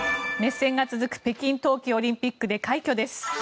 熱戦が続く北京冬季オリンピックで快挙です。